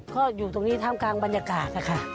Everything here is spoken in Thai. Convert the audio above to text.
ก็อยู่ตรงนี้ท่ามกลางบรรยากาศค่ะ